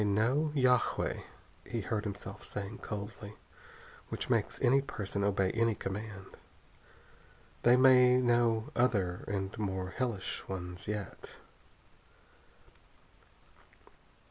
"They know yagué," he heard himself saying coldly, "which makes any person obey any command. They may know other and more hellish ones yet."